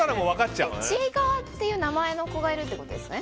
ちいかわという名前の子がいるってことですね。